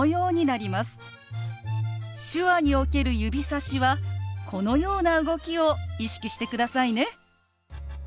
手話における指さしはこのような動きを意識してくださいね。